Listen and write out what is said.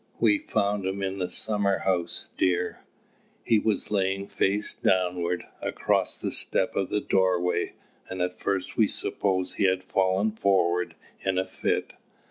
"We found him in the summer house, dear. He was lying face downward, across the step of the doorway, and at first we supposed he had fallen forward in a fit.